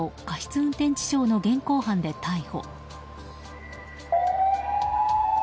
運転致傷の現行犯で逮捕。